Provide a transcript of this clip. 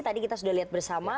tadi kita sudah lihat bersama